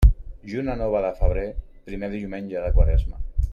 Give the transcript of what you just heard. Lluna nova de febrer, primer diumenge de quaresma.